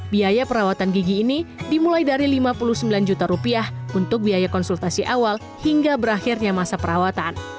biaya perawatan gigi ini dimulai dari lima puluh sembilan juta rupiah untuk biaya konsultasi awal hingga berakhirnya masa perawatan